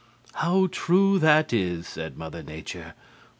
"How true that is!" said Mother Nature.